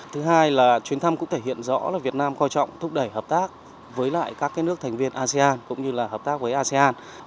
thứ hai là chuyến thăm cũng thể hiện rõ là việt nam coi trọng thúc đẩy hợp tác với lại các nước thành viên asean cũng như là hợp tác với asean